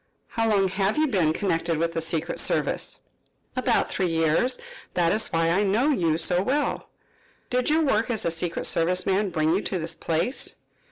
"How long have you been connected with the secret service?" "About three years. That is why I know you so well." "Did your work as a secret service man bring you to this place?"